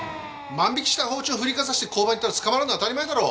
万引きした包丁振りかざして交番行ったら捕まるのは当たり前だろ？